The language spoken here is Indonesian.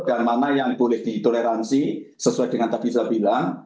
dan mana yang boleh ditoleransi sesuai dengan tadi saya bilang